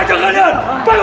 aku ingin nganjuk kalian